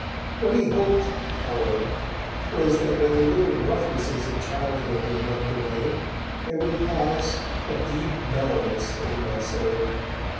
What he hoped, however, was that when the little roughnesses of childhood were rubbed away, there would pass a deep mellowness over my soul.